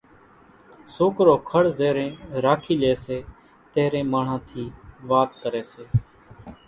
سوڪرو کڙ زيرين راکي لئي سي تيرين ماڻۿان ٿِي وات ڪري سي